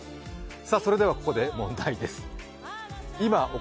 それではここで問題です。